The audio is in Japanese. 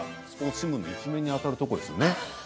スポーツ新聞の一面に当たるところですよね。